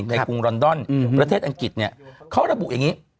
กรุงลอนดอนประเทศอังกฤษเนี่ยเขาระบุอย่างนี้